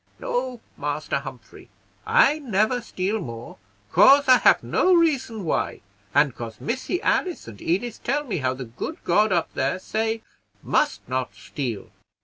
No, Master Humphrey, I never steal more, 'cause I have no reason why, and 'cause Missy Alice and Edith tell me how the good God up there say must not steal."